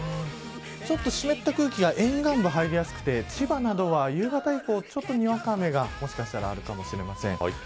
ちょっと湿った空気が沿岸部に入りやすくて千葉などは、夕方以降にわか雨がもしかしたらあるかもしれません。